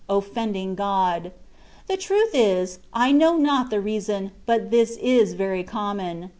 offending God.* The truth is, I know not the reason, but this is very common.